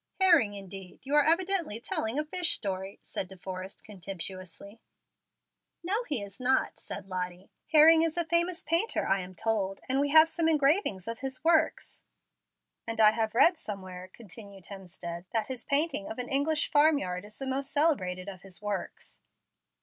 "'Herring' indeed. You are evidently telling a fish Story," said De Forrest, contemptuously. "No, he is not," said Lottie. "Herring is a famous painter, I am told, and we have some engravings of his works." "And I have read somewhere," continued Hemstead, "that his painting of an English farm yard is the most celebrated of his works.